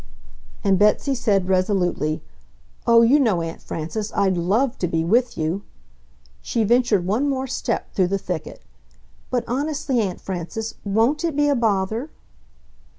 And Betsy said, resolutely, "Oh, you know, Aunt Frances, I'd LOVE to be with you!" She ventured one more step through the thicket. "But honestly, Aunt Frances, WON'T it be a bother...?"